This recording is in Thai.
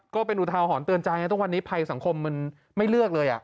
ก็เป็นอุทาหรณ์เตือนใจนะทุกวันนี้ภัยสังคมมันไม่เลือกเลย